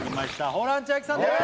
ホラン千秋さんです